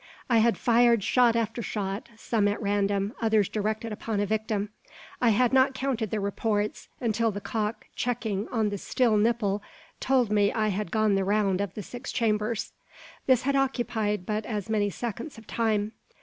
I had fired shot after shot, some at random, others directed upon a victim. I had not counted the reports, until the cock "checking" on the steel nipple told me I had gone the round of the six chambers. This had occupied but as many seconds of time.